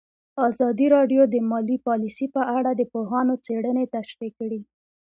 ازادي راډیو د مالي پالیسي په اړه د پوهانو څېړنې تشریح کړې.